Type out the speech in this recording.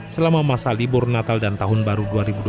selama masa libur natal dan tahun baru dua ribu dua puluh